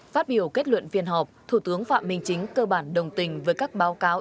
phát biểu kết luận phiên họp thủ tướng phạm minh chính cơ bản đồng tình với các báo cáo